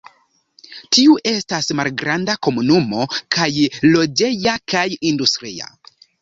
Tiu estas malgranda komunumo kaj loĝeja kaj industria.